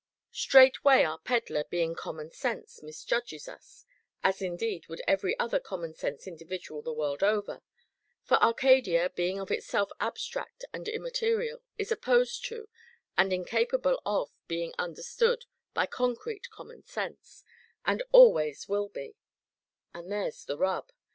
Straightway our Pedler, being Common sense, misjudges us as, indeed, would every other common sense individual the world over; for Arcadia, being of itself abstract and immaterial, is opposed to, and incapable of being understood by concrete common sense, and always will be and there's the rub!